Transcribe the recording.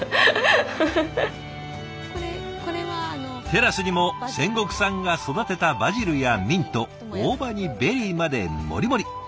テラスにも仙石さんが育てたバジルやミント大葉にベリーまでもりもり。